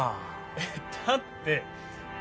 えっだって。